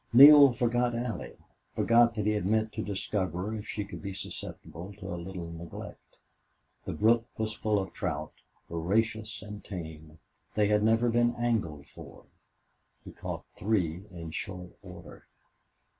Neale forgot Allie forgot that he had meant to discover if she could be susceptible to a little neglect. The brook was full of trout, voracious and tame; they had never been angled for. He caught three in short order.